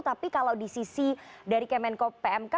tapi kalau di sisi dari kemenko pmk